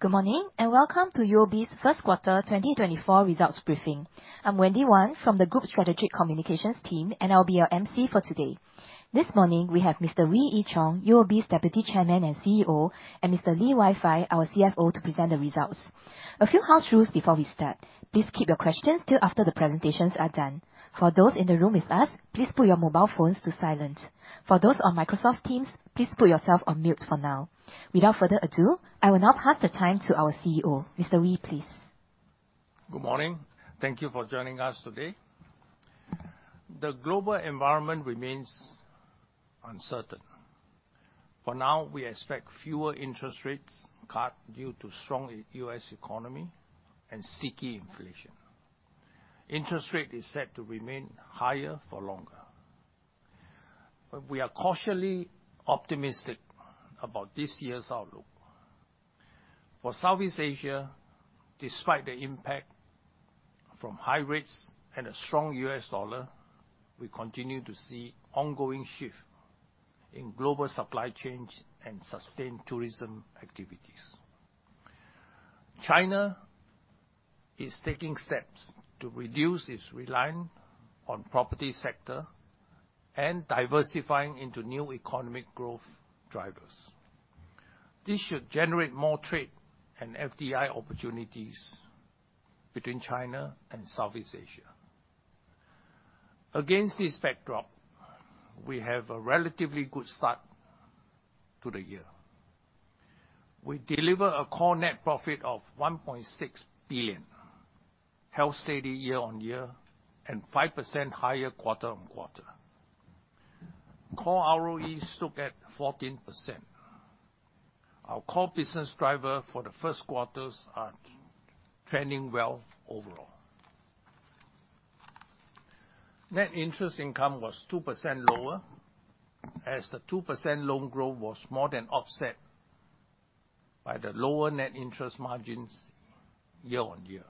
Good morning, and welcome to UOB's first quarter 2024 results briefing. I'm Wendy Wan from the Group Strategic Communications team, and I'll be your MC for today. This morning, we have Mr. Wee Ee Cheong, UOB's Deputy Chairman and CEO, and Mr. Lee Wai Fai, our CFO, to present the results. A few house rules before we start: please keep your questions till after the presentations are done. For those in the room with us, please put your mobile phones to silent. For those on Microsoft Teams, please put yourself on mute for now. Without further ado, I will now pass the time to our CEO. Mr. Wee, please. Good morning. Thank you for joining us today. The global environment remains uncertain. For now, we expect fewer interest rates cut due to strong U.S. economy and sticky inflation. Interest rate is set to remain higher for longer. But we are cautiously optimistic about this year's outlook. For Southeast Asia, despite the impact from high rates and a strong US dollar, we continue to see ongoing shift in global supply chains and sustained tourism activities. China is taking steps to reduce its reliance on property sector and diversifying into new economic growth drivers. This should generate more trade and FDI opportunities between China and Southeast Asia. Against this backdrop, we have a relatively good start to the year. We deliver a core net profit of 1.6 billion, held steady year-on-year, and 5% higher quarter-on-quarter. Core ROE stood at 14%. Our core business driver for the first quarters are trending well overall. Net interest income was 2% lower, as the 2% loan growth was more than offset by the lower net interest margins year-on-year.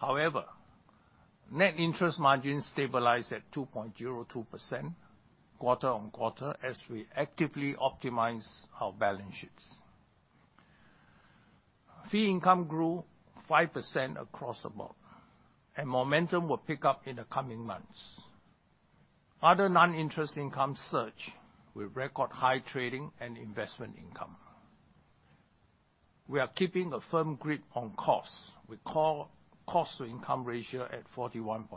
However, net interest margin stabilized at 2.02% quarter-on-quarter, as we actively optimize our balance sheets. Fee income grew 5% across the board, and momentum will pick up in the coming months. Other non-interest income surge, with record high trading and investment income. We are keeping a firm grip on costs, with core cost-to-income ratio at 41.9%.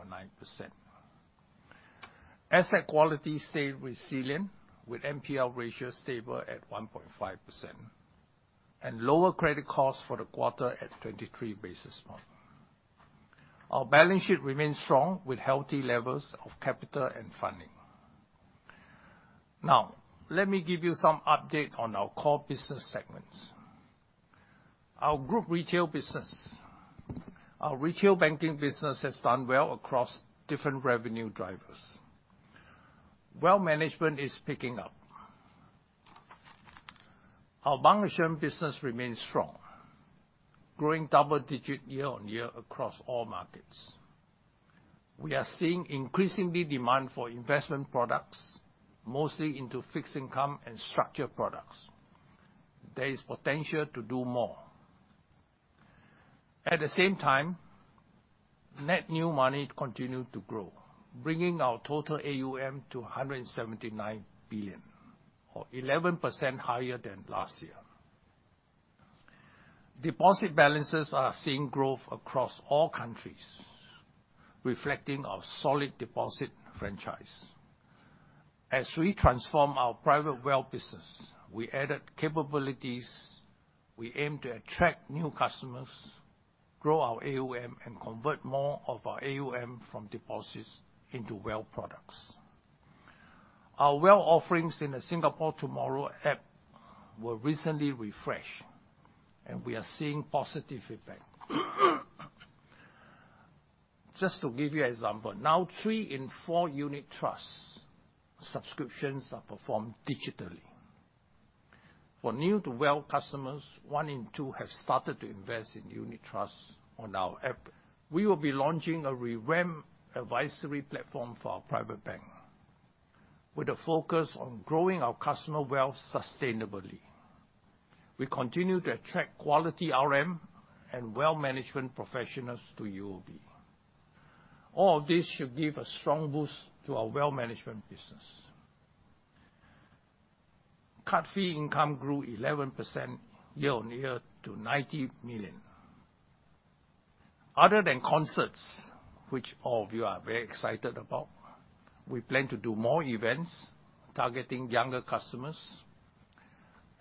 Asset quality stayed resilient, with NPL ratio stable at 1.5%, and lower credit costs for the quarter at 23 basis points. Our balance sheet remains strong, with healthy levels of capital and funding. Now, let me give you some update on our core business segments. Our group retail business. Our retail banking business has done well across different revenue drivers. Wealth management is picking up. Our ASEAN business remains strong, growing double-digit year-on-year across all markets. We are seeing increasing demand for investment products, mostly into fixed income and structured products. There is potential to do more. At the same time, net new money continued to grow, bringing our total AUM to 179 billion, or 11% higher than last year. Deposit balances are seeing growth across all countries, reflecting our solid deposit franchise. As we transform our private wealth business, we added capabilities. We aim to attract new customers, grow our AUM, and convert more of our AUM from deposits into wealth products. Our wealth offerings in the UOB TMRW app were recently refreshed, and we are seeing positive feedback. Just to give you an example, now three in four unit trusts subscriptions are performed digitally. For new-to-wealth customers, one in two have started to invest in unit trusts on our app. We will be launching a revamped advisory platform for our private bank, with a focus on growing our customer wealth sustainably. We continue to attract quality RM and wealth management professionals to UOB. All of this should give a strong boost to our wealth management business. Card fee income grew 11% year-on-year to 90 million. Other than concerts, which all of you are very excited about, we plan to do more events targeting younger customers.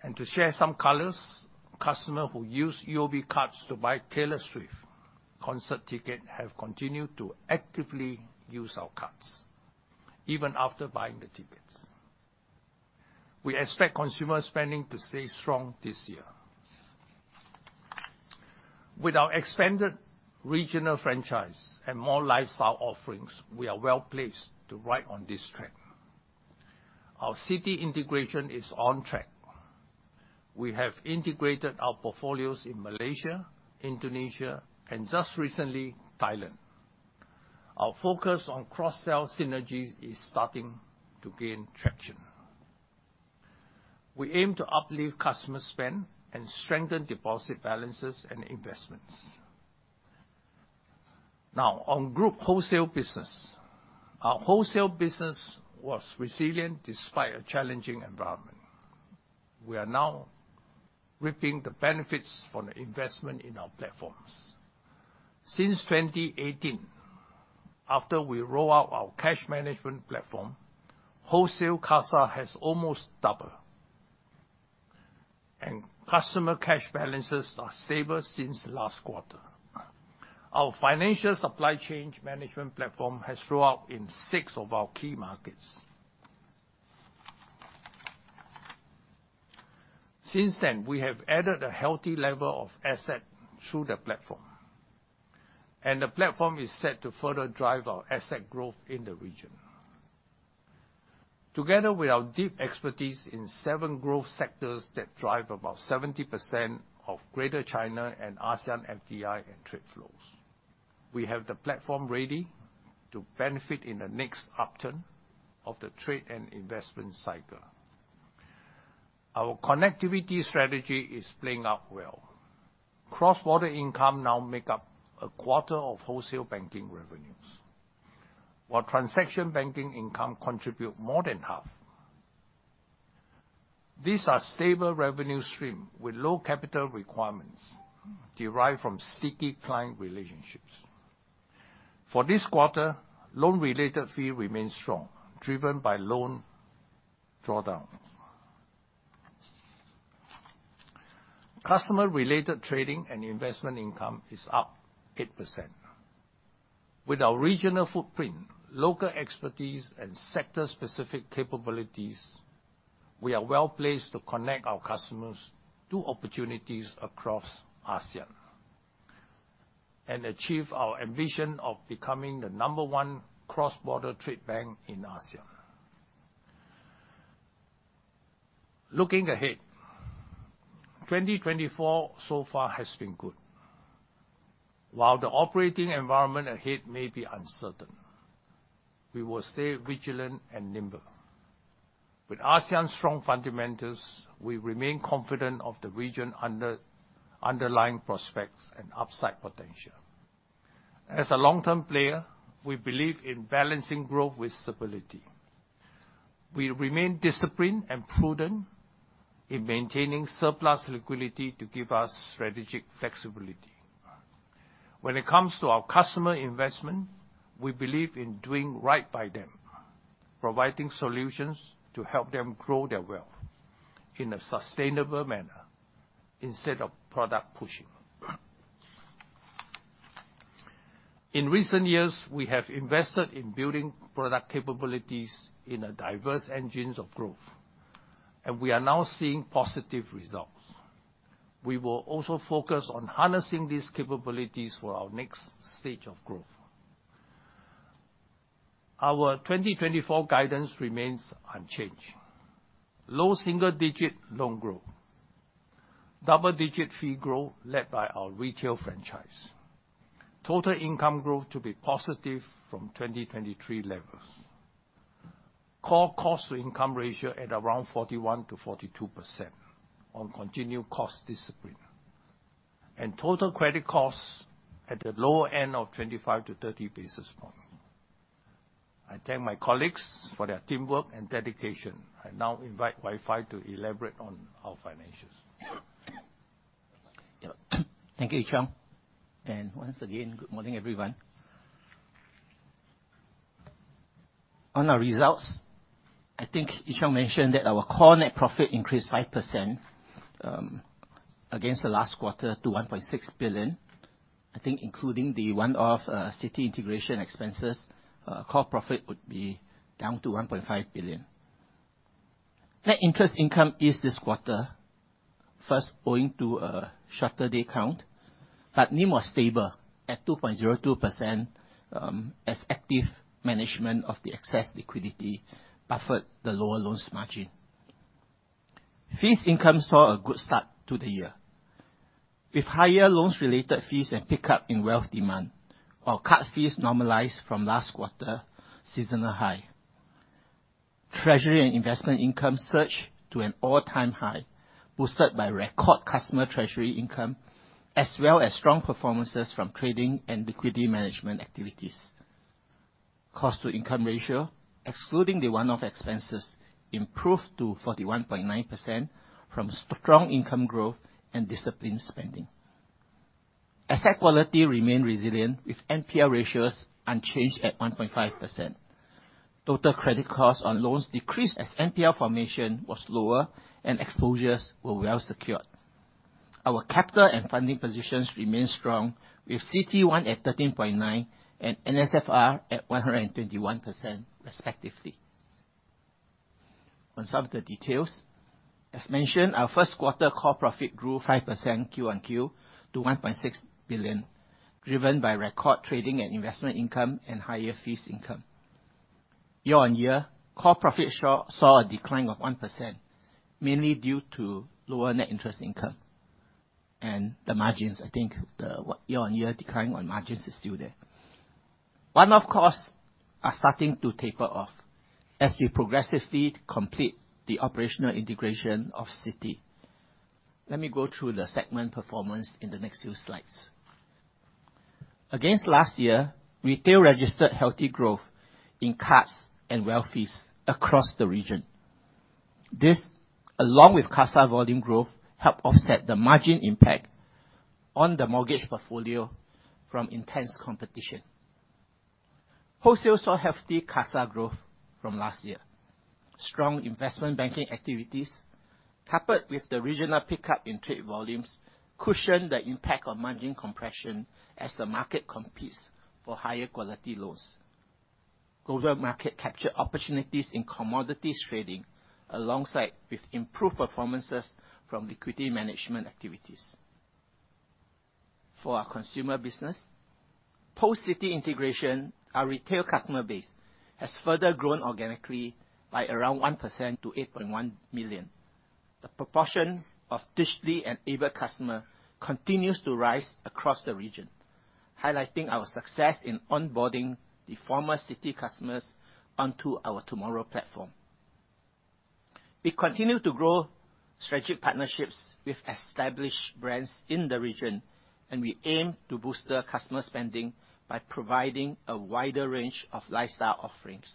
And to share some colors, customers who use UOB cards to buy Taylor Swift concert ticket have continued to actively use our cards, even after buying the tickets. We expect consumer spending to stay strong this year. With our expanded regional franchise and more lifestyle offerings, we are well-placed to ride on this trend. Our Citi integration is on track. We have integrated our portfolios in Malaysia, Indonesia, and just recently, Thailand. Our focus on cross-sell synergies is starting to gain traction. We aim to uplift customer spend and strengthen deposit balances and investments. Now, on group wholesale business. Our wholesale business was resilient despite a challenging environment. We are now reaping the benefits from the investment in our platforms. Since 2018, after we roll out our cash management platform, wholesale CASA has almost doubled, and customer cash balances are stable since last quarter. Our financial supply chain management platform has rolled out in six of our key markets. Since then, we have added a healthy level of asset through the platform, and the platform is set to further drive our asset growth in the region. Together with our deep expertise in seven growth sectors that drive about 70% of Greater China and ASEAN FDI and trade flows, we have the platform ready to benefit in the next upturn of the trade and investment cycle. Our connectivity strategy is playing out well. Cross-border income now make up a quarter of wholesale banking revenues, while transaction banking income contribute more than half. These are stable revenue stream with low capital requirements derived from sticky client relationships. For this quarter, loan-related fee remains strong, driven by loan drawdown. Customer-related trading and investment income is up 8%. With our regional footprint, local expertise, and sector-specific capabilities, we are well-placed to connect our customers to opportunities across ASEAN and achieve our ambition of becoming the number one cross-border trade bank in ASEAN. Looking ahead, 2024 so far has been good. While the operating environment ahead may be uncertain, we will stay vigilant and nimble. With ASEAN's strong fundamentals, we remain confident of the region's underlying prospects and upside potential. As a long-term player, we believe in balancing growth with stability. We remain disciplined and prudent in maintaining surplus liquidity to give us strategic flexibility. When it comes to our customer investment, we believe in doing right by them, providing solutions to help them grow their wealth in a sustainable manner instead of product pushing. In recent years, we have invested in building product capabilities in a diverse engines of growth, and we are now seeing positive results. We will also focus on harnessing these capabilities for our next stage of growth. Our 2024 guidance remains unchanged. Low single-digit loan growth, double-digit fee growth led by our retail franchise, total income growth to be positive from 2023 levels, core cost-to-income ratio at around 41-42% on continued cost discipline, and total credit costs at the lower end of 25-30 basis points. I thank my colleagues for their teamwork and dedication. I now invite Wai Fai to elaborate on our financials. Thank you, Ee Cheong. And once again, good morning, everyone. On our results, I think Ee Cheong mentioned that our core net profit increased 5%, against the last quarter to 1.6 billion. I think including the one-off, Citi integration expenses, core profit would be down to 1.5 billion. Net interest income is this quarter, first owing to a shorter day count, but NIM was stable at 2.02%, as active management of the excess liquidity buffered the lower loans margin. Fees income saw a good start to the year, with higher loans related fees and pickup in wealth demand, while card fees normalized from last quarter seasonal high. Treasury and investment income surged to an all-time high, boosted by record customer treasury income, as well as strong performances from trading and liquidity management activities. Cost-to-income ratio, excluding the one-off expenses, improved to 41.9% from strong income growth and disciplined spending. Asset quality remained resilient, with NPL ratios unchanged at 1.5%. Total credit costs on loans decreased as NPL formation was lower and exposures were well secured. Our capital and funding positions remain strong, with CET1 at 13.9 and NSFR at 121%, respectively. On some of the details, as mentioned, our first quarter core profit grew 5% Q-on-Q to 1.6 billion, driven by record trading and investment income and higher fees income. Year-on-year, core profit saw a decline of 1%, mainly due to lower net interest income and the margins. I think the year-on-year decline on margins is still there. One-off costs are starting to taper off as we progressively complete the operational integration of Citi. Let me go through the segment performance in the next few slides. Against last year, retail registered healthy growth in cards and wealth fees across the region. This, along with CASA volume growth, helped offset the margin impact on the mortgage portfolio from intense competition. Wholesale saw healthy CASA growth from last year. Strong investment banking activities, coupled with the regional pickup in trade volumes, cushioned the impact of margin compression as the market competes for higher quality loans. Global Markets captured opportunities in commodities trading, alongside with improved performances from liquidity management activities. For our consumer business, post-Citi integration, our retail customer base has further grown organically by around 1% to 8.1 million. The proportion of digitally-enabled customer continues to rise across the region, highlighting our success in onboarding the former Citi customers onto our TMRW platform. We continue to grow strategic partnerships with established brands in the region, and we aim to boost the customer spending by providing a wider range of lifestyle offerings.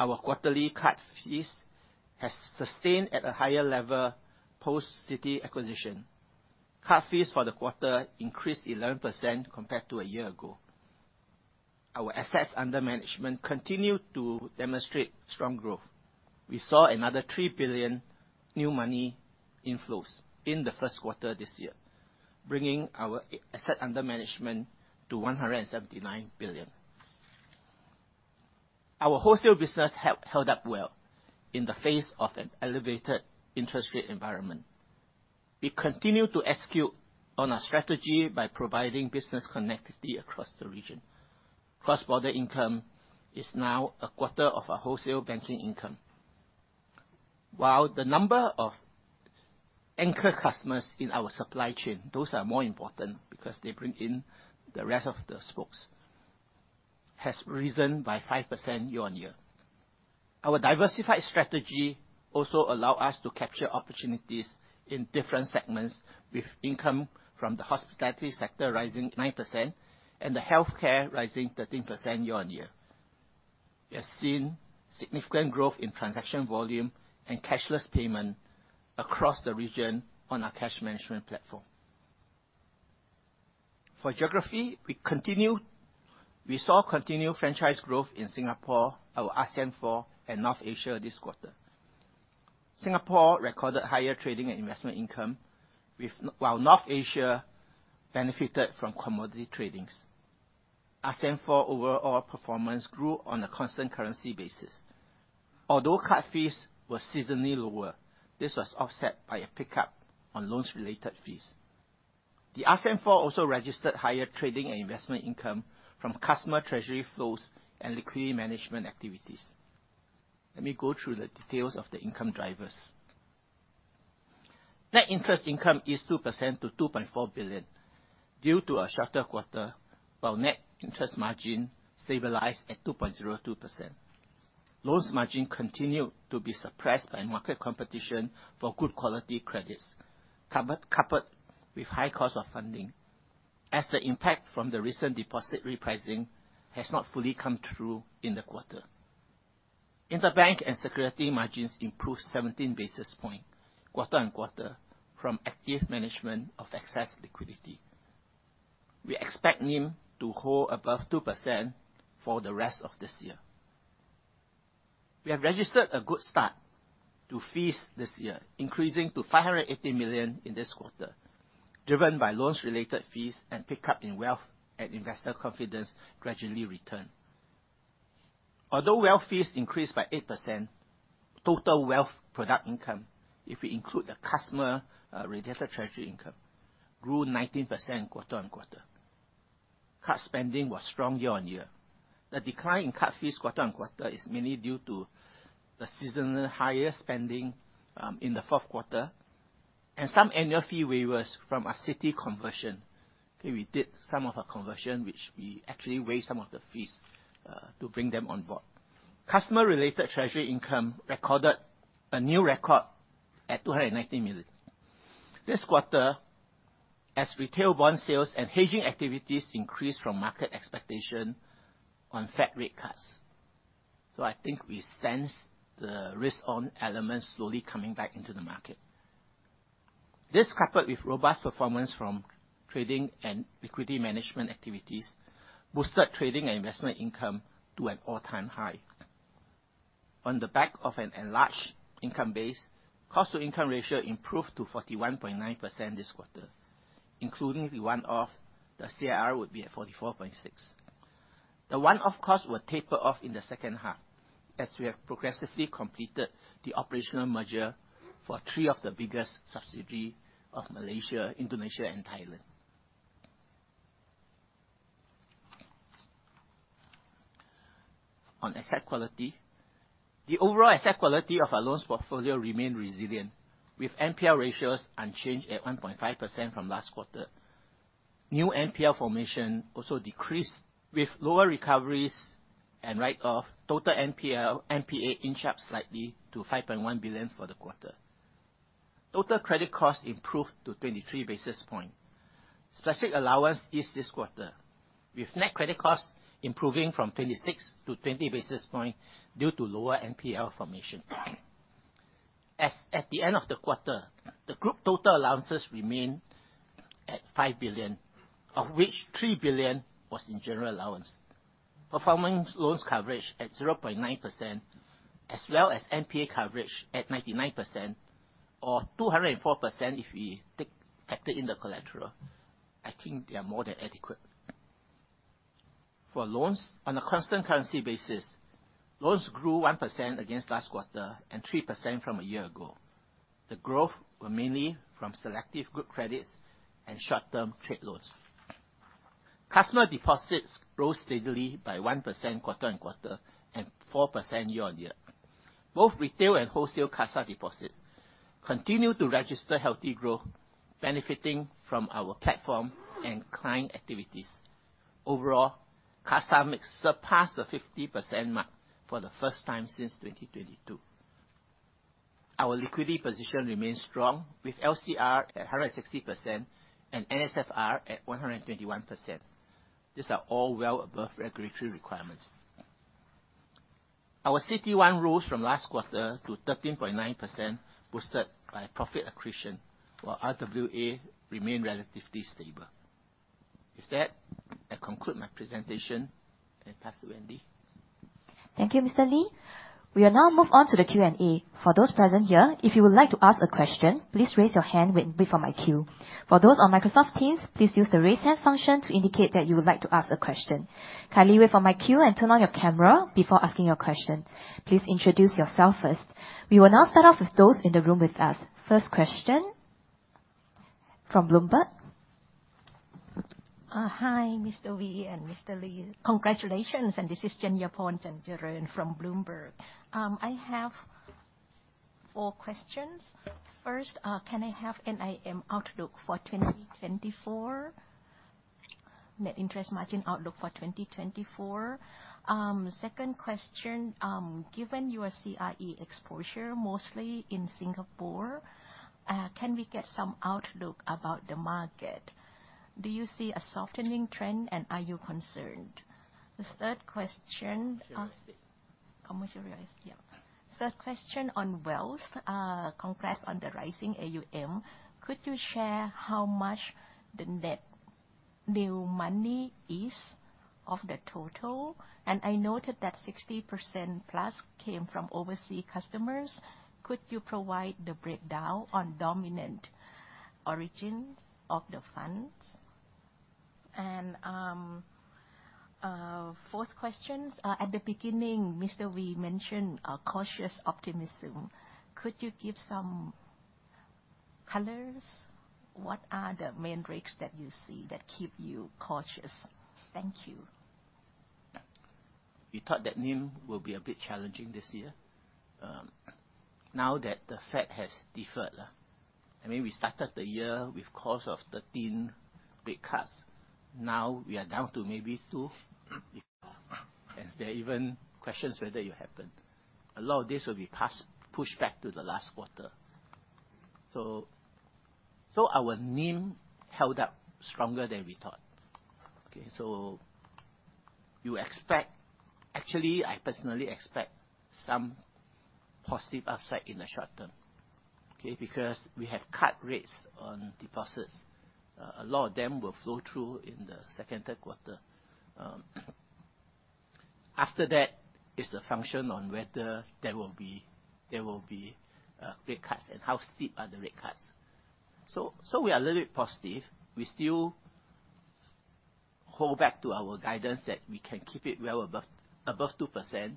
Our quarterly card fees has sustained at a higher level post-Citi acquisition. Card fees for the quarter increased 11% compared to a year ago. Our assets under management continue to demonstrate strong growth. We saw another $3 billion new money inflows in the first quarter this year, bringing our asset under management to $179 billion. Our wholesale business have held up well in the face of an elevated interest rate environment. We continue to execute on our strategy by providing business connectivity across the region. Cross-border income is now a quarter of our wholesale banking income. While the number of anchor customers in our supply chain, those are more important because they bring in the rest of the spokes, has risen by 5% year-on-year. Our diversified strategy also allow us to capture opportunities in different segments, with income from the hospitality sector rising 9% and the healthcare rising 13% year-on-year. We have seen significant growth in transaction volume and cashless payment across the region on our cash management platform. For geography, we saw continued franchise growth in Singapore, our ASEAN Four, and North Asia this quarter. Singapore recorded higher trading and investment income, while North Asia benefited from commodity tradings. ASEAN Four overall performance grew on a constant currency basis. Although card fees were seasonally lower, this was offset by a pickup on loans-related fees. The ASEAN Four also registered higher trading and investment income from customer treasury flows and liquidity management activities. Let me go through the details of the income drivers. Net interest income is 2% to 2.4 billion due to a shorter quarter, while net interest margin stabilized at 2.02%. Loans margin continued to be suppressed by market competition for good quality credits, coupled with high cost of funding, as the impact from the recent deposit repricing has not fully come through in the quarter. Interbank and securities margins improved 17 basis points quarter-on-quarter from active management of excess liquidity. We expect NIM to hold above 2% for the rest of this year. We have registered a good start to fees this year, increasing to 580 million in this quarter, driven by loans-related fees and pickup in wealth and investor confidence gradually return. Although wealth fees increased by 8%, total wealth product income, if we include the customer-related treasury income, grew 19% quarter-on-quarter. Card spending was strong year-on-year. The decline in card fees quarter-on-quarter is mainly due to the seasonal higher spending in the fourth quarter, and some annual fee waivers from our Citi conversion. Okay, we did some of our conversion, which we actually waive some of the fees to bring them on board. Customer-related treasury income recorded a new record at 290 million this quarter, as retail bond sales and hedging activities increased from market expectation on Fed rate cuts. So I think we sense the risk-on elements slowly coming back into the market. This, coupled with robust performance from trading and liquidity management activities, boosted trading and investment income to an all-time high. On the back of an enlarged income base, cost to income ratio improved to 41.9% this quarter. Including the one-off, the CIR would be at 44.6. The one-off costs will taper off in the second half, as we have progressively completed the operational merger for three of the biggest subsidiary of Malaysia, Indonesia, and Thailand. On asset quality, the overall asset quality of our loans portfolio remain resilient, with NPL ratios unchanged at 1.5% from last quarter. New NPL formation also decreased with lower recoveries and write-off. Total NPL, NPA inched up slightly to 5.1 billion for the quarter. Total credit costs improved to 23 basis points. Specific allowance is this quarter, with net credit costs improving from 26 to 20 basis points due to lower NPL formation. As at the end of the quarter, the group total allowances remained at 5 billion, of which 3 billion was in general allowance. Performing loans coverage at 0.9%, as well as NPA coverage at 99%, or 204% if you take, factor in the collateral. I think they are more than adequate. For loans, on a constant currency basis, loans grew 1% against last quarter and 3% from a year ago. The growth were mainly from selective good credits and short-term trade loans. Customer deposits grew steadily by 1% quarter-on-quarter and 4% year-on-year. Both retail and wholesale CASA deposit continue to register healthy growth, benefiting from our platform and client activities. Overall, CASA mix surpassed the 50% mark for the first time since 2022. Our liquidity position remains strong, with LCR at 160% and NSFR at 121%. These are all well above regulatory requirements. Our CET1 rose from last quarter to 13.9%, boosted by profit accretion, while RWA remained relatively stable. With that, I conclude my presentation and pass to Wendy. Thank you, Mr. Lee. We will now move on to the Q&A. For those present here, if you would like to ask a question, please raise your hand, wait, wait for my cue. For those on Microsoft Teams, please use the Raise Hand function to indicate that you would like to ask a question. Kindly wait for my cue and turn on your camera before asking your question. Please introduce yourself first. We will now start off with those in the room with us. First question from Bloomberg. Hi, Mr. Wee and Mr. Lee. Congratulations, and this is Jenny Apone from Bloomberg. I have four questions. First, can I have NIM outlook for 2024? Net interest margin outlook for 2024. Second question, given your CRE exposure, mostly in Singapore, can we get some outlook about the market? Do you see a softening trend, and are you concerned? The third question, Commercial real estate. Commercial real estate, yeah. Third question on wealth. Congrats on the rising AUM. Could you share how much the net new money is of the total? And I noted that 60% plus came from overseas customers. Could you provide the breakdown on dominant origins of the funds? And fourth question, at the beginning, Mr. Wee mentioned a cautious optimism. Could you give some colors? What are the main risks that you see that keep you cautious? Thank you. You thought that NIM will be a bit challenging this year. Now that the Fed has deferred, I mean, we started the year with consensus of 13 rate cuts. Now we are down to maybe 2, and there are even questions whether it happened. A lot of this will be passed, pushed back to the last quarter. So, so our NIM held up stronger than we thought. Okay, so you expect-- Actually, I personally expect some positive upside in the short term, okay? Because we have cut rates on deposits. A lot of them will flow through in the second, third quarter. After that, it's a function on whether there will be rate cuts, and how steep are the rate cuts. So, so we are a little bit positive. We still hold back to our guidance that we can keep it well above, above 2%.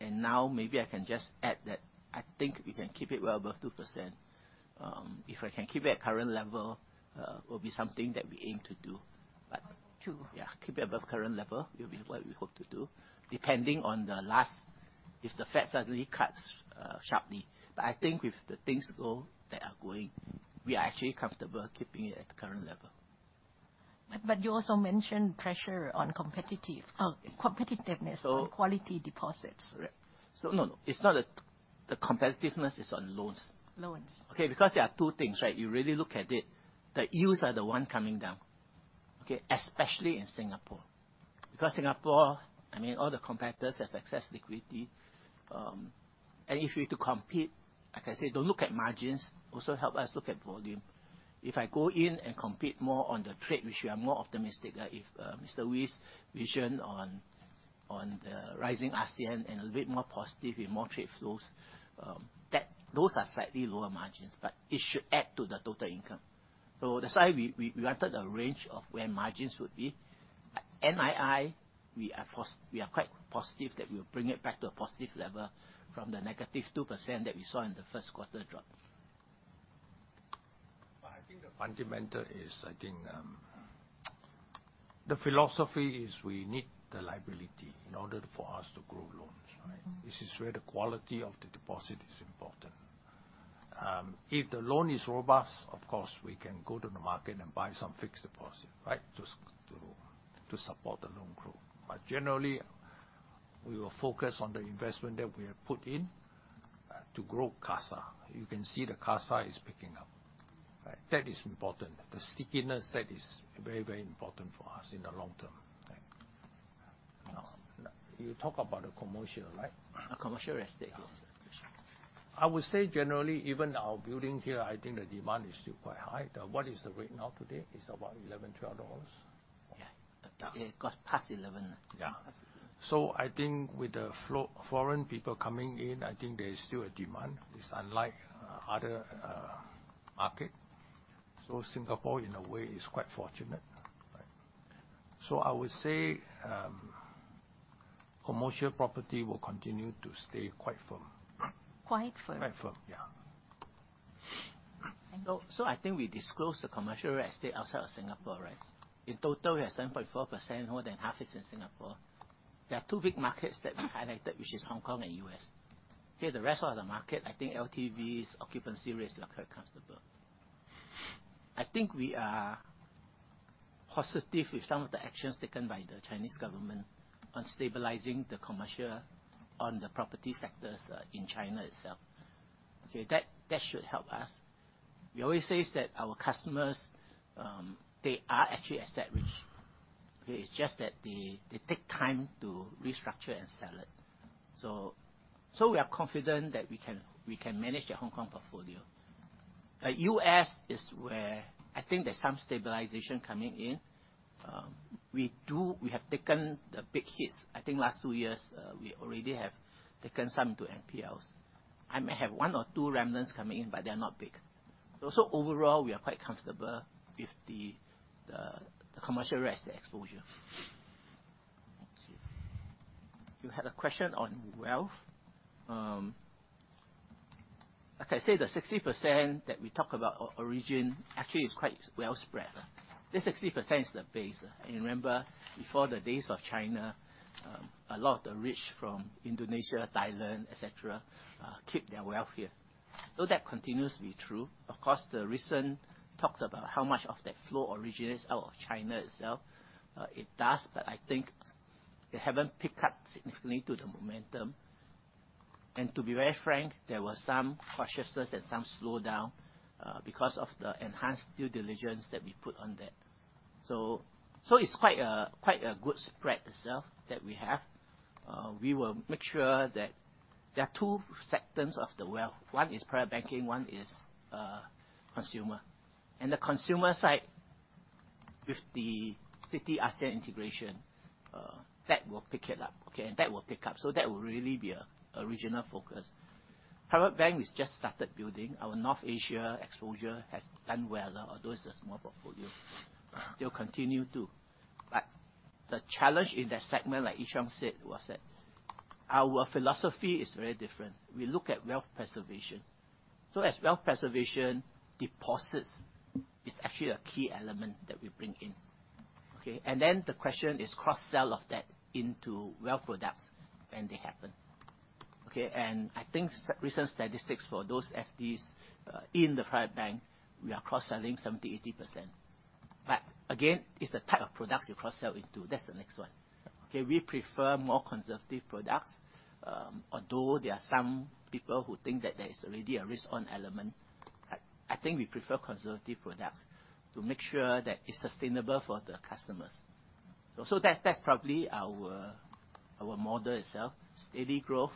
And now maybe I can just add that I think we can keep it well above 2%. If I can keep it at current level, will be something that we aim to do. Two. Yeah, keep it above current level will be what we hope to do, depending on the last, if the Fed suddenly cuts sharply. But I think with the things go, that are going, we are actually comfortable keeping it at the current level. But you also mentioned pressure on competitiveness- So- - on quality deposits. Right. So no, no, it's not that the competitiveness is on loans. Loans. Okay, because there are two things, right? You really look at it, the yields are the one coming down, okay? Especially in Singapore. Because Singapore, I mean, all the competitors have excess liquidity, and if you're to compete, like I said, don't look at margins. Also, help us look at volume. If I go in and compete more on the trade, which we are more optimistic, if, Mr. Wee's vision on, on the rising RCN and a little bit more positive in more trade flows, that. Those are slightly lower margins, but it should add to the total income. So that's why we entered a range of where margins would be. NII, we are quite positive that we will bring it back to a positive level from the negative 2% that we saw in the first quarter drop. ...I think the fundamental is, I think, the philosophy is we need the liability in order for us to grow loans, right? This is where the quality of the deposit is important. If the loan is robust, of course, we can go to the market and buy some fixed deposit, right? Just to, to support the loan growth. But generally, we will focus on the investment that we have put in, to grow CASA. You can see the CASA is picking up, right? That is important. The stickiness, that is very, very important for us in the long term. Right. Now, you talk about the commercial, right? Commercial real estate, yes. I would say generally, even our building here, I think the demand is still quite high. What is the rate now today? It's about 11-12 dollars. Yeah. It got past eleven. Yeah. Past eleven. So I think with the foreign people coming in, I think there is still a demand. It's unlike other market. So Singapore, in a way, is quite fortunate, right? So I would say, commercial property will continue to stay quite firm. Quite firm? Quite firm, yeah. So I think we disclosed the commercial real estate outside of Singapore, right? In total, we have 7.4%, more than half is in Singapore. There are two big markets that we highlighted, which is Hong Kong and US. Okay, the rest of the market, I think LTVs, occupancy rates are quite comfortable. I think we are positive with some of the actions taken by the Chinese government on stabilizing the commercial on the property sectors, in China itself. Okay, that should help us. We always says that our customers, they are actually asset rich. Okay, it's just that they take time to restructure and sell it. So we are confident that we can manage the Hong Kong portfolio. US is where I think there's some stabilization coming in. We have taken the big hits. I think last two years, we already have taken some to NPLs. I may have one or two remnants coming in, but they are not big. So overall, we are quite comfortable with the commercial real estate exposure. You had a question on wealth. Like I said, the 60% that we talk about origin, actually is quite well spread. This 60% is the base. And remember, before the days of China, a lot of the rich from Indonesia, Thailand, et cetera, keep their wealth here, so that continues to be true. Of course, the recent talks about how much of that flow originates out of China itself, it does, but I think it haven't picked up significantly to the momentum. To be very frank, there was some cautiousness and some slowdown because of the enhanced due diligence that we put on that. So, it's quite a good spread itself that we have. We will make sure that there are 2 sectors of the wealth. 1 is private banking, 1 is consumer. And the consumer side, with the 50 ASEAN integration, that will pick it up, okay? And that will pick up, so that will really be our original focus. Private bank, we just started building. Our North Asia exposure has done well, although it's a small portfolio. They'll continue to. But the challenge in that segment, like Ee Cheong said, was that our philosophy is very different. We look at wealth preservation. So as wealth preservation, deposits is actually a key element that we bring in, okay? Then the question is cross-sell of that into wealth products when they happen, okay? I think recent statistics for those FDs in the private bank, we are cross-selling 70%-80%. But again, it's the type of products you cross-sell into. That's the next one. Okay, we prefer more conservative products, although there are some people who think that there is already a risk on element. I think we prefer conservative products to make sure that it's sustainable for the customers. So that's probably our model itself, steady growth,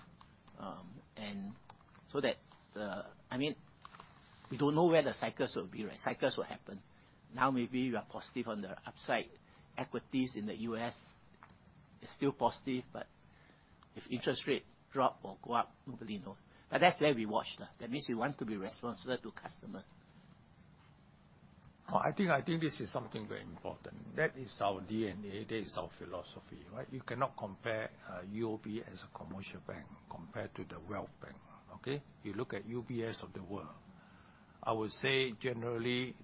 I mean, we don't know where the cycles will be, right? Cycles will happen. Now, maybe we are positive on the upside. Equities in the U.S. is still positive, but if interest rate drop or go up, nobody knows. But that's where we watch. That means we want to be responsible to customer. Well, I think, I think this is something very important. That is our DNA. That is our philosophy, right? You cannot compare, UOB as a commercial bank compared to the wealth bank, okay? You look at UBS of the world. I would say generally,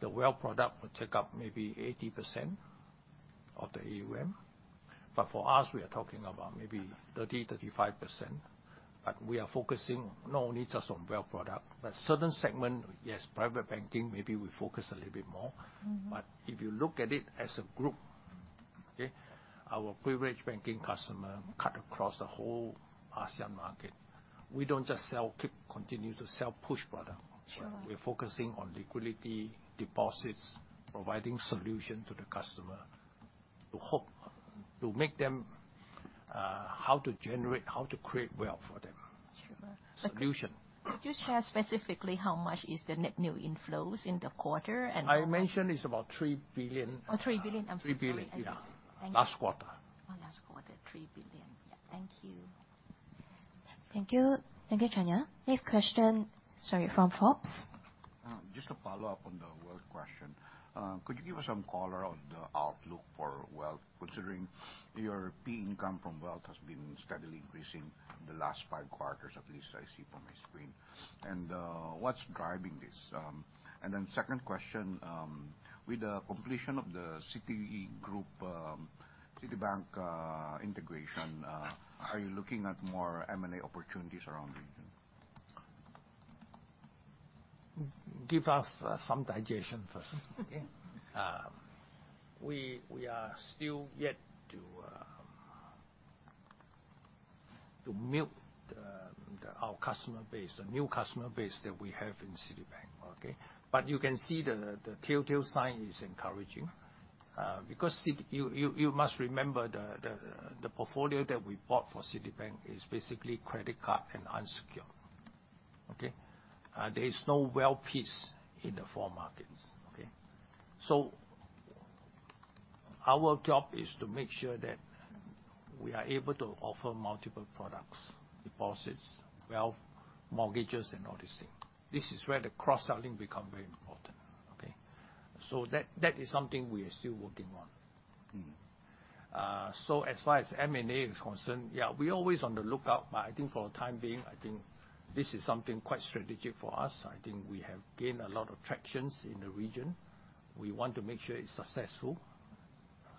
the wealth product will take up maybe 80% of the AUM, but for us, we are talking about maybe 30%-35%. But we are focusing not only just on wealth product, but certain segment, yes, private banking, maybe we focus a little bit more. But if you look at it as a group, okay, our Privilege Banking customer cut across the whole ASEAN market. We don't just sell, keep, continue to sell, push product. Sure. We're focusing on liquidity, deposits, providing solution to the customer, to hope, to make them, how to generate, how to create wealth for them. Sure. Solution. Could you share specifically how much is the net new inflows in the quarter, and- I mentioned it's about 3 billion. Oh, 3 billion. I'm so sorry. 3 billion, yeah. Thank you. Last quarter. Oh, last quarter, 3 billion. Yeah. Thank you. Thank you. Thank you, Chanya. Next question, sorry, from Fox? ...Just to follow up on the wealth question, could you give us some color on the outlook for wealth, considering your fee income from wealth has been steadily increasing the last five quarters, at least I see on my screen. And, what's driving this? And then second question, with the completion of the Citigroup, Citibank, integration, are you looking at more M&A opportunities around the region? Give us some digestion first. Okay. We are still yet to milk our customer base, the new customer base that we have in Citibank, okay? But you can see the telltale sign is encouraging, because you must remember the portfolio that we bought for Citibank is basically credit card and unsecured. Okay? There is no wealth piece in the four markets, okay? So our job is to make sure that we are able to offer multiple products, deposits, wealth, mortgages, and all these things. This is where the cross-selling become very important, okay? So that is something we are still working on. So, as far as M&A is concerned, yeah, we're always on the lookout, but I think for the time being, I think this is something quite strategic for us. I think we have gained a lot of traction in the region. We want to make sure it's successful,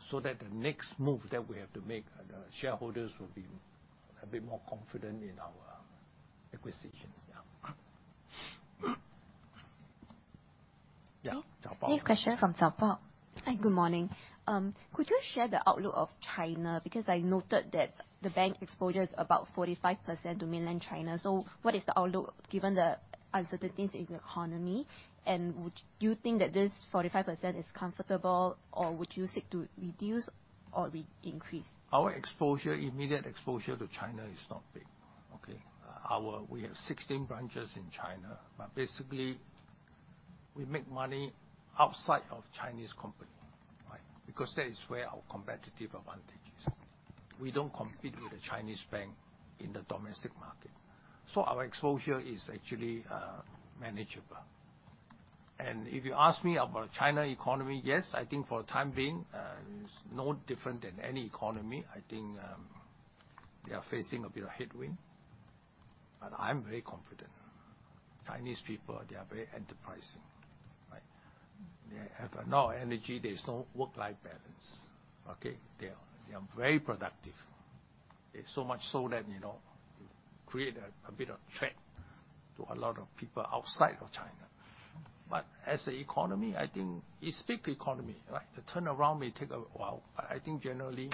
so that the next move that we have to make, the shareholders will be a bit more confident in our acquisitions. Yeah. Yeah, Xiao Pop. Next question from Xiao Pop. Hi, good morning. Could you share the outlook of China? Because I noted that the bank exposure is about 45% to mainland China. So what is the outlook, given the uncertainties in the economy? And would you think that this 45% is comfortable, or would you seek to reduce or re-increase? Our exposure, immediate exposure to China is not big, okay? Our... We have 16 branches in China, but basically, we make money outside of Chinese company, right? Because that is where our competitive advantage is. We don't compete with the Chinese bank in the domestic market, so our exposure is actually, manageable. And if you ask me about China economy, yes, I think for the time being, it's no different than any economy. I think, they are facing a bit of headwind, but I'm very confident. Chinese people, they are very enterprising, right? They have got no energy. There's no work-life balance, okay? They are, they are very productive. They're so much so that, you know, create a, a bit of threat to a lot of people outside of China. But as an economy, I think it's big economy, right? The turnaround may take a while, but I think generally,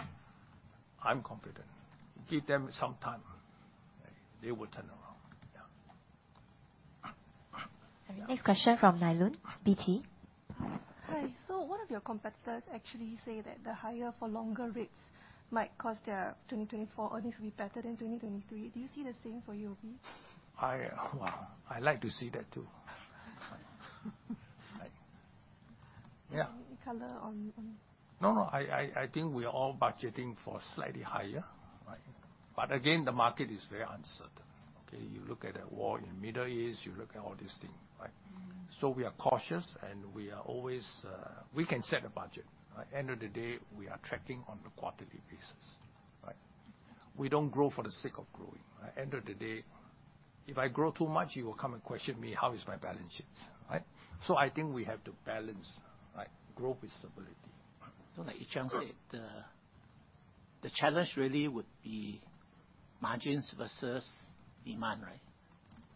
I'm confident. Give them some time, they will turn around. Yeah. Next question from Natalie Business Times. Hi. So one of your competitors actually say that the higher for longer rates might cause their 2024 earnings to be better than 2023. Do you see the same for UOB? Wow, I like to see that, too. Right. Yeah. Any color on? No, no, I think we are all budgeting for slightly higher, right? But again, the market is very uncertain, okay? You look at the war in Middle East, you look at all these things, right? So we are cautious and we are always. We can set a budget, right? End of the day, we are tracking on a quarterly basis, right? We don't grow for the sake of growing. At the end of the day, if I grow too much, you will come and question me, how is my balance sheets, right? So I think we have to balance, right, growth with stability. Like Wee Ee Cheong said, the challenge really would be margins versus demand, right?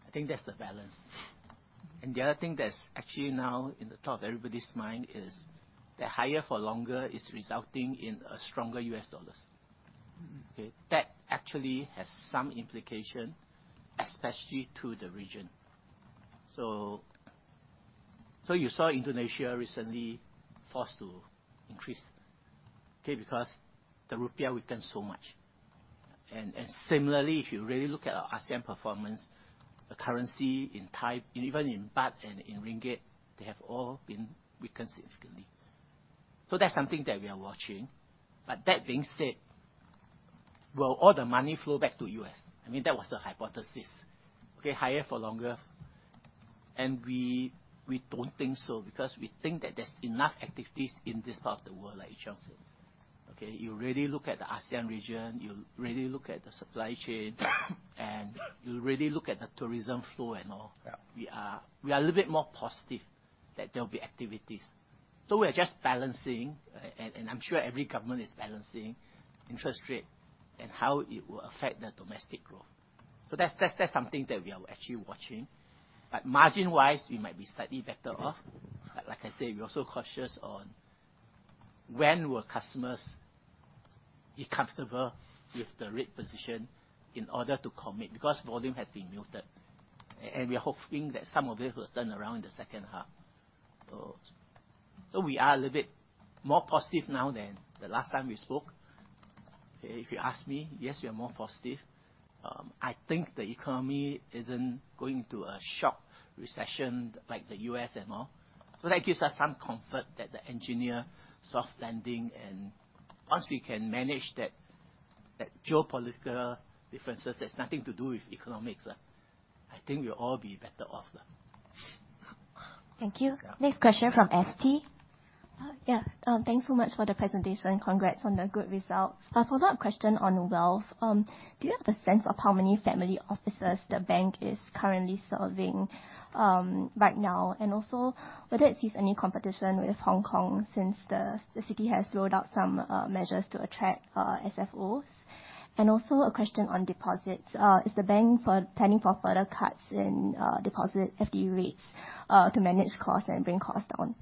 I think that's the balance. The other thing that's actually now in the top of everybody's mind is the higher for longer is resulting in a stronger U.S. dollars. Okay? That actually has some implication, especially to the region. So, so you saw Indonesia recently forced to increase, okay, because the rupiah weakened so much. And, and similarly, if you really look at our ASEAN performance, the currency in Thai, and even in baht and in ringgit, they have all been weakened significantly. So that's something that we are watching. But that being said, will all the money flow back to US? I mean, that was the hypothesis. Okay, higher for longer, and we, we don't think so, because we think that there's enough activities in this part of the world, like Yick Chung said, okay? You really look at the ASEAN region, you really look at the supply chain, and you really look at the tourism flow and all. Yeah. We are a little bit more positive that there will be activities. So we are just balancing and I'm sure every government is balancing interest rate and how it will affect the domestic growth. So that's something that we are actually watching. But margin-wise, we might be slightly better off. But like I said, we're also cautious on when will customers be comfortable with the rate position in order to commit, because volume has been muted, and we are hoping that some of it will turn around in the second half. So we are a little bit more positive now than the last time we spoke. Okay, if you ask me, yes, we are more positive. I think the economy isn't going to a sharp recession like the U.S. and all. So that gives us some comfort that the engineered soft landing, and once we can manage that-... that geopolitical differences has nothing to do with economics. I think we'll all be better off now. Thank you. Yeah. Next question from ST. Yeah, thanks so much for the presentation. Congrats on the good results. I followed up a question on wealth. Do you have a sense of how many family offices the bank is currently serving, right now? And also, whether it sees any competition with Hong Kong since the city has rolled out some measures to attract SFOs. And also a question on deposits. Is the bank planning for further cuts in deposit FD rates to manage costs and bring costs down?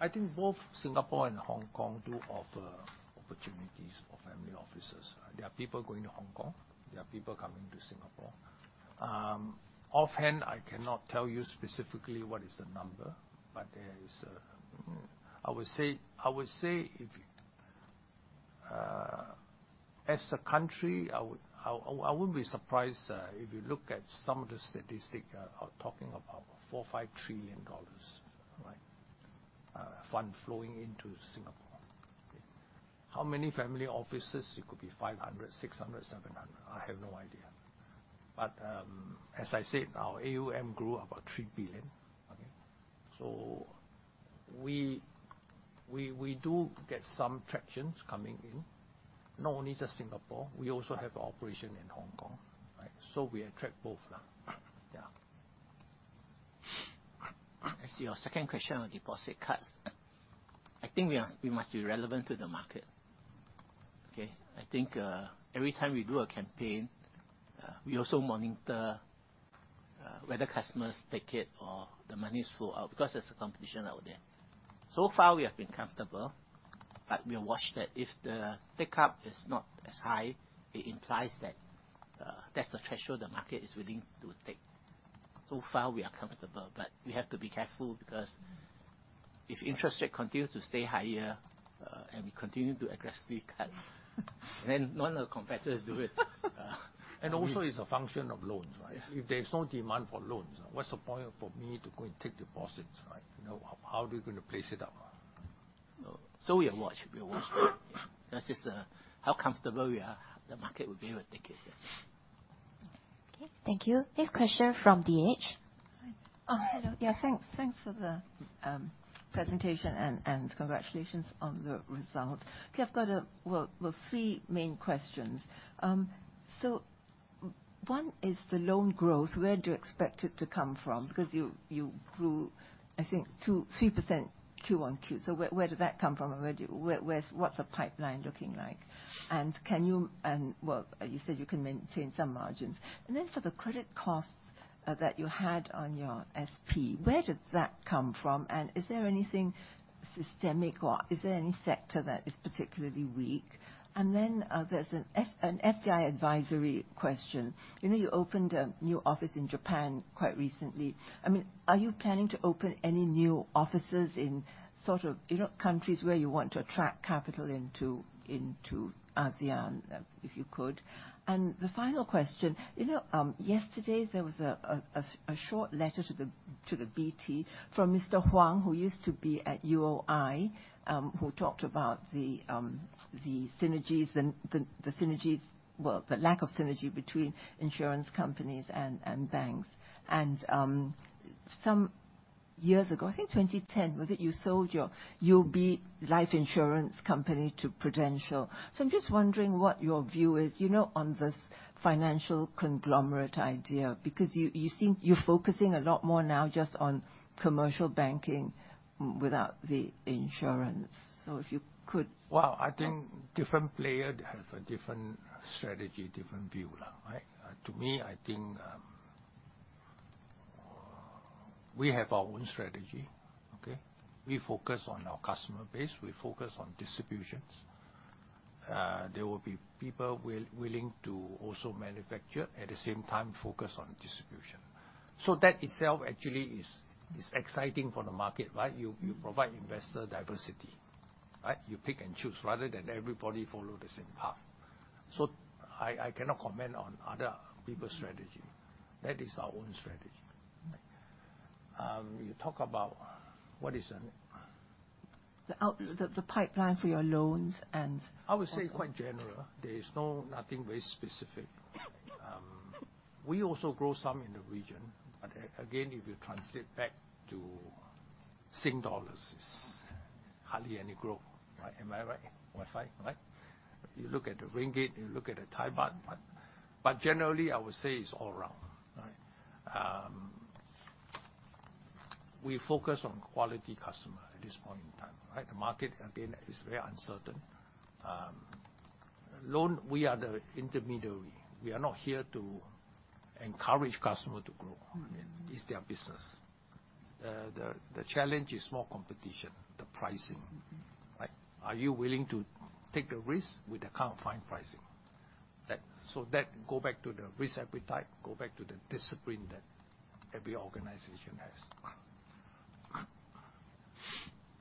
I think both Singapore and Hong Kong do offer opportunities for family offices, right? There are people going to Hong Kong, there are people coming to Singapore. Offhand, I cannot tell you specifically what is the number, but there is a... I would say if, as a country, I wouldn't be surprised if you look at some of the statistics are talking about $4-$5 trillion, right? Funds flowing into Singapore. Okay, how many family offices? It could be 500, 600, 700, I have no idea. But, as I said, our AUM grew about $3 billion, okay? So we do get some traction coming in. Not only just Singapore, we also have operations in Hong Kong, right? So we attract both now. Yeah. As to your second question on deposit cuts, I think we must be relevant to the market. Okay? I think every time we do a campaign, we also monitor whether customers take it or the monies flow out, because there's a competition out there. So far, we have been comfortable, but we are watching that if the take up is not as high, it implies that that's the threshold the market is willing to take. So far, we are comfortable, but we have to be careful, because if interest rate continues to stay higher and we continue to aggressively cut, then none of the competitors do it. And also, it's a function of loans, right? Yeah. If there's no demand for loans, what's the point for me to go and take deposits, right? You know, how are we going to place it out? So we are watched. We are watched. That's just how comfortable we are, the market will be able to take it. Yes. Okay, thank you. Next question from The Edge. Hi. Hello. Yeah, thanks, thanks for the presentation and congratulations on the result. Okay, I've got a well, well, three main questions. So one is the loan growth, where do you expect it to come from? Because you grew, I think 2-3% Q1Q. So where did that come from, and where, where's, what's the pipeline looking like? And can you. And well, you said you can maintain some margins. And then for the credit costs that you had on your SP, where did that come from? And is there anything systemic, or is there any sector that is particularly weak? And then, there's an FDI advisory question. You know, you opened a new office in Japan quite recently. I mean, are you planning to open any new offices in sort of, you know, countries where you want to attract capital into, into ASEAN, if you could? And the final question, you know, yesterday there was a short letter to the BT from Mr. Hwang, who used to be at UOB, who talked about the synergies-- well, the lack of synergy between insurance companies and banks. And some years ago, I think 2010, was it, you sold your UOB Life Insurance company to Prudential. So I'm just wondering what your view is, you know, on this financial conglomerate idea. Because you seem, you're focusing a lot more now just on commercial banking without the insurance. So if you could- Well, I think different player have a different strategy, different view now, right? To me, I think, we have our own strategy, okay? We focus on our customer base, we focus on distributions. There will be people willing to also manufacture, at the same time, focus on distribution. So that itself actually is exciting for the market, right? You provide investor diversity, right? You pick and choose, rather than everybody follow the same path. So I cannot comment on other people's strategy. That is our own strategy. You talk about, what is the- The pipeline for your loans and- I would say quite general. There is no, nothing very specific. We also grow some in the region, but again, if you translate back to Singapore dollars, it's hardly any growth, right? Am I right? Am I right? You look at the ringgit, you look at the Thai baht. But, but generally, I would say it's all round, right? We focus on quality customer at this point in time, right? The market, again, is very uncertain. Loan, we are the intermediary. We are not here to encourage customer to grow. It's their business. The challenge is more competition, the pricing. Right? Are you willing to take the risk with the current fine pricing? So that go back to the risk appetite, go back to the discipline that every organization has.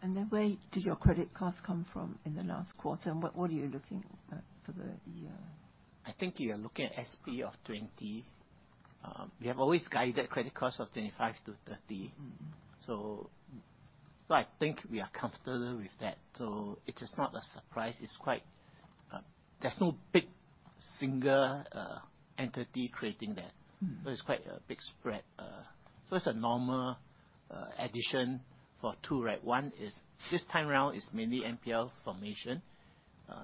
And then where do your credit costs come from in the last quarter, and what, what are you looking at for the year? I think you are looking at SP of 20. We have always guided credit costs of 25-30. So I think we are comfortable with that. So it is not a surprise, it's quite... There's no big single entity creating that. So it's quite a big spread. So it's a normal addition for two, right? One is, this time around, it's mainly NPL formation.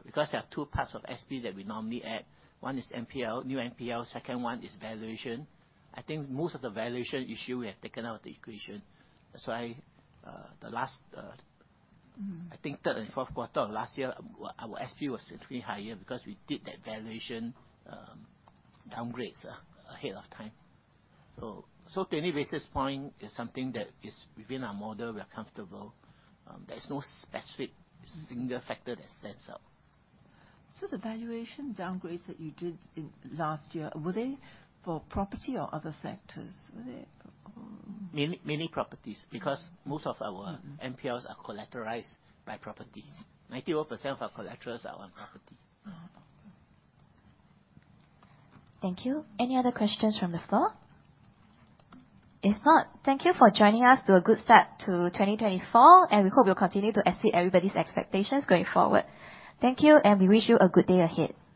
Because there are two parts of SP that we normally add. One is NPL, new NPL, second one is valuation. I think most of the valuation issue, we have taken out the equation. That's why the last,... I think third and fourth quarter of last year, our SP was certainly higher, because we did that valuation downgrades ahead of time. So, 20 basis point is something that is within our model, we are comfortable. There's no specific single factor that stands out. So the valuation downgrades that you did in last year, were they for property or other sectors? Were they, Mainly properties-... because most of our-... NPLs are collateralized by property. 91% of our collaterals are on property. Oh, okay. Thank you. Any other questions from the floor? If not, thank you for joining us to a good start to 2024, and we hope you'll continue to exceed everybody's expectations going forward. Thank you, and we wish you a good day ahead.